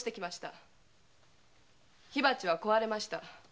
火鉢は壊れました。